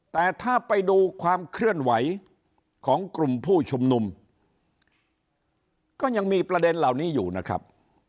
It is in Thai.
แต่ถ้าไปดูความเคลื่อนไหวของกลุ่มผู้ชุมนุมก็ยังมีประเด็นเหล่านี้อยู่นะครับ